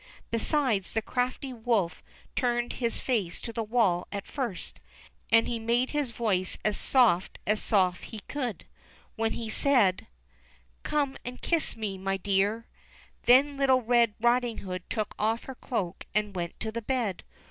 Besides, the crafty wolf turned his face to the wall at first. And he made his voice as soft as soft as he could, when he said : LITTLE RED RIDING HOOD 275 "Come and kiss me, my dear." Then little Red Riding Hood took off her cloak and went to the bed.